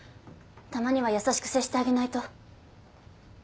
たまには優しく接してあげないと。